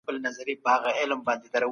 په دي جرګه کي وروستۍ پرېکړه څوک کوي؟